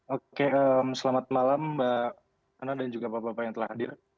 oke selamat malam mbak ana dan juga bapak bapak yang telah hadir